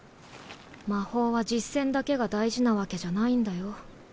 魔法は実践だけが大事なわけじゃないんだよ。